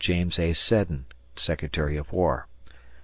James A. Seddon, Secretary of War.